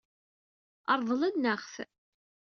Ṛeḍlen-aɣ-t.